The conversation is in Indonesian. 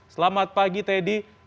selamat pagi teddy